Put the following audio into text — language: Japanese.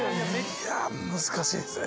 いや難しいですね